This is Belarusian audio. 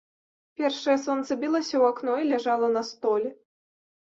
Першае сонца білася ў акно і ляжала на столі.